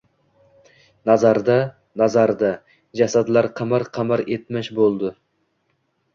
Nazarida... nazarida, jasadlar qimir-qimir etmish bo‘ldi.